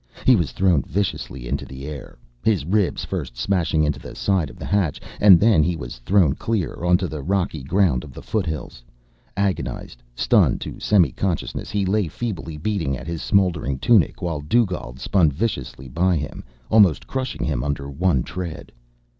He was thrown viciously into the air, his ribs first smashing into the side of the hatch, and then he was thrown clear, onto the rocky ground of the foothills; agonized, stunned to semi consciousness, he lay feebly beating at his smoldering tunic while Dugald spun viciously by him, almost crushing him under one tread.